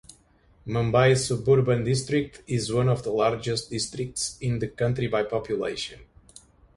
Mumbai Suburban District is one of the largest districts in the country by population.